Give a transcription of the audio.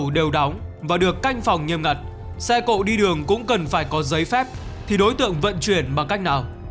đều đóng và được canh phòng nghiêm ngặt xe cộ đi đường cũng cần phải có giấy phép thì đối tượng vận chuyển bằng cách nào